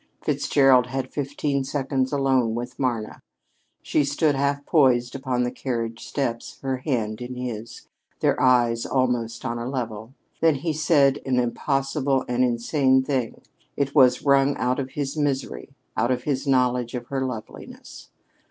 Fitzgerald had fifteen seconds alone with Marna. She stood half poised upon the carriage steps, her hand in his, their eyes almost on a level. Then he said an impossible and insane thing. It was wrung out of his misery, out of his knowledge of her loveliness.